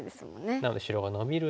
なので白がノビると。